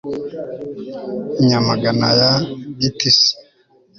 i nyamagana ya gitisi